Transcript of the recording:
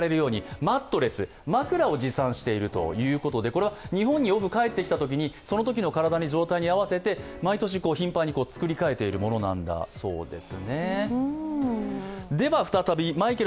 これは日本によく帰ってきたときに、そのときの体の状態に合わせて毎年、頻繁に作り替えているものなんだそうです。